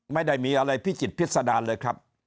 ไม่ได้มีอะไรพิจิตพิษดารเลยครับ